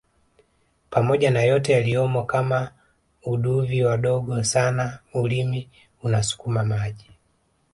pamoja na yote yaliyomo kama uduvi wadogo sana ulimi unasukuma maji